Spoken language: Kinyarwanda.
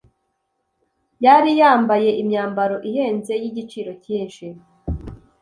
yari yambaye imyambaro ihenze y’igiciro cyinshi,